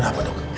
dan apa dok